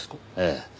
ええ。